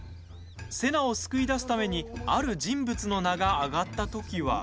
瀬名を救い出すためにある人物の名が挙がった時は。